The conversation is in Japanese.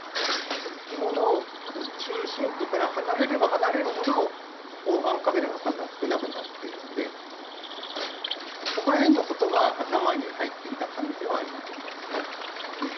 すすきのの中心部から離れれば離れるほど、防犯カメラの数は少なくなっているので、そこらへんのことが頭に入っていた可能性はありますよね。